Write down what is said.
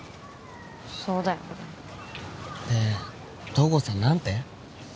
そうだよねで東郷さん何て？